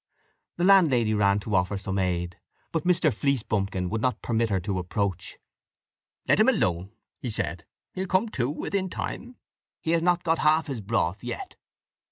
The landlady ran to offer some aid; but Mr. Fleecebumpkin would not permit her to approach. "Let him alone," he said, "he will come to within time, and come up to the scratch again. He has not got half his broth yet."